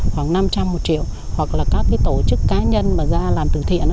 khoảng năm trăm linh một triệu hoặc là các tổ chức cá nhân mà ra làm từ thiện